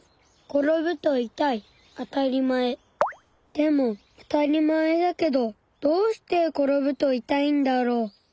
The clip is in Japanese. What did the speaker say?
でも当たり前だけどどうして転ぶと痛いんだろう。